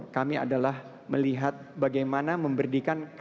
kami adalah melihat bagaimana memberikan kredit khusus untuk pembeli